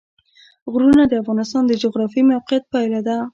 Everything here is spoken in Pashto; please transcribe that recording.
غرونه د افغانستان د جغرافیایي موقیعت پایله ده.